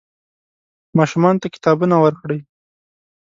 ماشومانو ته کتابونه ورکړئ.